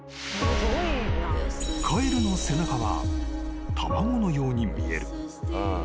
［カエルの背中は卵のように見える］